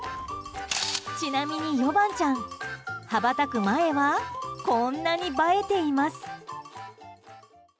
ちなみにヨバンちゃん羽ばたく前はこんなに映えています。